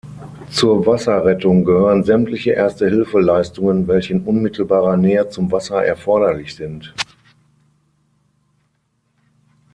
Zur Wasserrettung gehören sämtliche Erste-Hilfe-Leistungen, welche in unmittelbarer Nähe zum Wasser erforderlich sind.